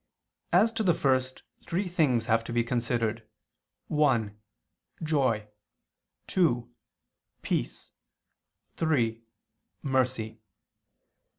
As to the first, three things have to be considered: (1) Joy, (2) Peace, (3) Mercy.